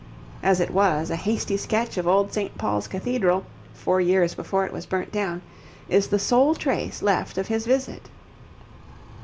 As it was, a hasty sketch of old St. Paul's Cathedral, four years before it was burnt down, is the sole trace left of his visit.